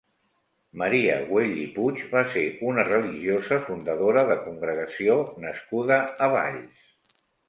Maria Güell i Puig va ser una religiosa fundadora de congregació nascuda a Valls.